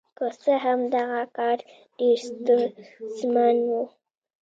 که څه هم دغه کار ډېر ستونزمن و.